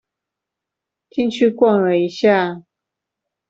進去逛了一下